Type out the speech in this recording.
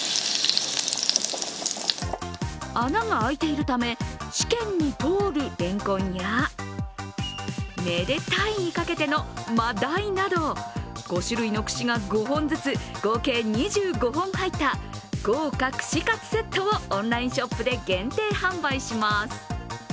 穴が開いているため試験に通るれんこんやめでたいにかけての真だいなど５種類の串が５本ずつ合計２５本入った豪華串カツセットをオンラインショップで限定販売します。